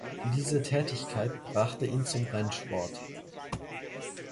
Diese Tätigkeit brachte ihn zum Rennsport.